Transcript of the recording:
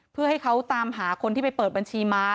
เพื่อให้เขาตามหาคนที่ไปเปิดบัญชีม้า